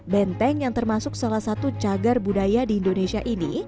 benteng yang termasuk salah satu cagar budaya di indonesia ini